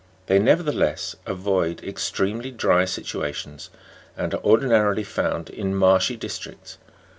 They, nevertheless, avoid ex tremely dry situations, and are ordinarily found in marshy districts.